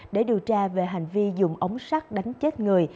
để điều tra về hành vi dùng ống sắt đánh chết người